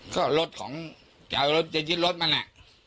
ก็รถของจะยึดรถมันนะ